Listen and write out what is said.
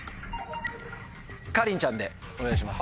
かりんちゃんでお願いします。